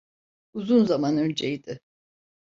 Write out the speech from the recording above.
Uzun zaman önceydi.